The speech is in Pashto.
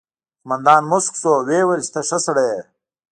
قومندان موسک شو او وویل چې ته ښه سړی یې